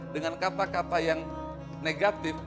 dengan kata kata yang negatif